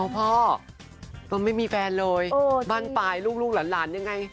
พ่อไม่มีแฟนเลยบ้านปลายลูกหลานยังไง